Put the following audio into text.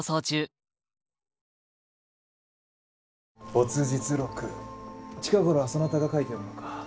没日録近頃はそなたが書いておるのか？